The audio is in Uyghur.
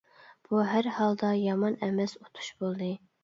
بۇ ھەر ھالدا يامان ئەمەس ئۇتۇش بولدى.